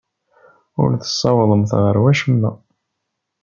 Ur tessawḍemt ɣer wacemma.